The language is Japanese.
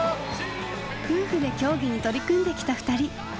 夫婦で競技に取り組んできた２人。